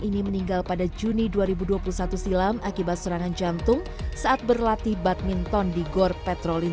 ini meninggal pada juni dua ribu dua puluh satu silam akibat serangan jantung saat berlatih badminton di gor petrolin